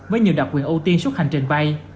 với nhiều đặc quyền ưu tiên suốt hành trình bay